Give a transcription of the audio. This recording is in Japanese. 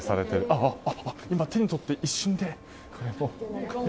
あ、今手に取って一瞬で！